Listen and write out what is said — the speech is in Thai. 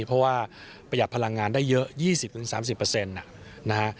เพราะว่าประหยัดพลังงานได้เยอะ๒๐๓๐นะฮะ